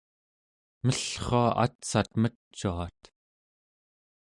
mellrua atsat mecuat